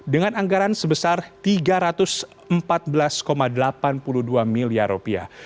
dengan anggaran sebesar tiga ratus empat belas delapan puluh dua miliar rupiah